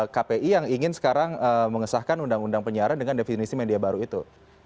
kpi yang ingin sekarang mengesahkan undang undang penyiaran dengan definisi media baru itu